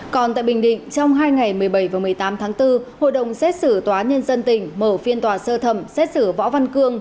còn tại bình định trong hai ngày một mươi bảy và một mươi tám tháng bốn hội đồng xét xử tòa nhân dân tỉnh mở phiên tòa sơ thẩm xét xử võ văn cương